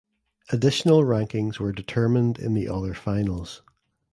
Additional rankings were determined in the other finals.